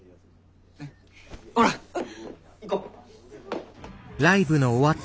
ねっほら行こう。